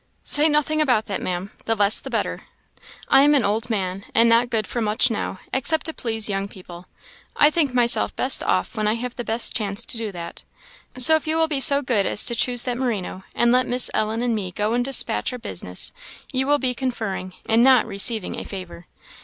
"Say nothing about that, Maam; the less the better. I am an old man, and not good for much now, except to please young people. I think myself best off when I have the best chance to do that. So if you will be so good as to choose that merino, and let Miss Ellen and me go and despatch our business, you will be conferring, and not receiving, a favour.